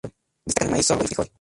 Destacan el maíz, sorgo y frijol.